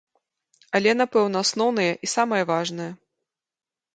Але, напэўна, асноўныя і самыя важныя.